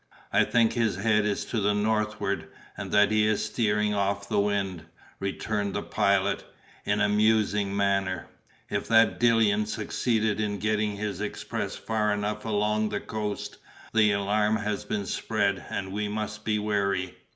"I think his head is to the northward, and that he is steering off the wind," returned the Pilot, in a musing manner. "If that Dillon succeeded in getting his express far enough along the coast, the alarm has been spread, and we must be wary.